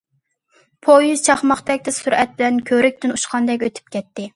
پويىز چاقماقتەك تېز سۈرئەت بىلەن كۆۋرۈكتىن ئۇچقاندەك ئۆتۈپ كەتتى.